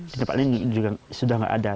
di tempat lain ini juga sudah tidak ada